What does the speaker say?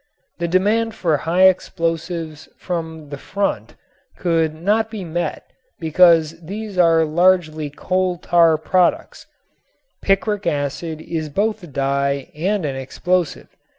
The demand for high explosives from the front could not be met because these also are largely coal tar products. Picric acid is both a dye and an explosive.